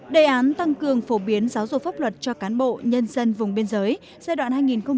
đề án tăng cường phổ biến giáo dục pháp luật cho cán bộ nhân dân vùng biên giới giai đoạn hai nghìn một mươi sáu hai nghìn hai mươi